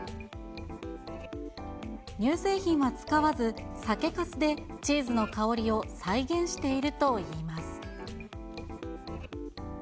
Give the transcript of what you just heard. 乳製品は使わず、酒かすでチーズの香りを再現しているといいます。